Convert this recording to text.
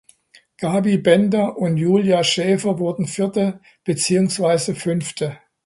Gabi Bender und Julia Schäfer wurden Vierte beziehungsweise Fünfte.